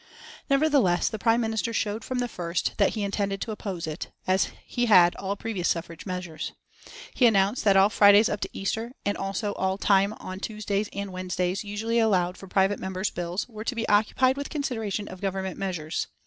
Nevertheless, the Prime Minister showed from the first that he intended to oppose it, as he had all previous suffrage measures. He announced that all Fridays up to Easter and also all time on Tuesdays and Wednesdays usually allowed for private members' bills were to be occupied with consideration of Government measures.